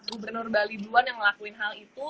gubernur bali duluan yang ngelakuin hal itu